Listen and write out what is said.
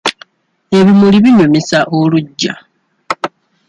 Ebimuli binyumisa oluggya.